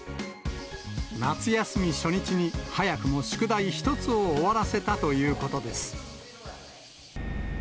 夏休み初日に、早くも宿題１つを終わらせたということです。